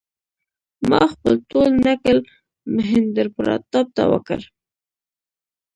ما خپل ټول نکل مهیندراپراتاپ ته وکړ.